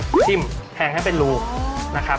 ทิ่มแทงให้เป็นรูนะครับ